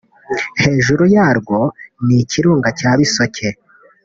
hejuru yarwo ni ikirunga cya Bisoke